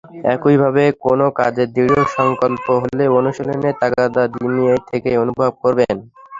একইভাবে কোনো কাজে দৃঢ় সংকল্প হলে অনুশীলনের তাগাদা নিজে থেকেই অনুভব করবেন।